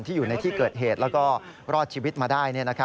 อยู่ในที่เกิดเหตุแล้วก็รอดชีวิตมาได้